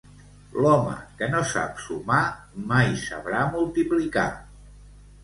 L'home que no sap sumar, mai sabrà multiplicar.